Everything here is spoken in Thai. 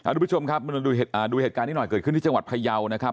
ทุกผู้ชมครับมาดูเหตุการณ์นี้หน่อยเกิดขึ้นที่จังหวัดพยาวนะครับ